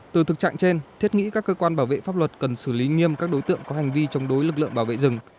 từ thực trạng trên thiết nghĩ các cơ quan bảo vệ pháp luật cần xử lý nghiêm các đối tượng có hành vi chống đối lực lượng bảo vệ rừng